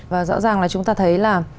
và rõ ràng là chúng ta thấy là